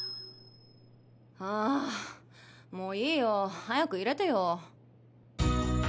あもういいよ。早く入れてよ。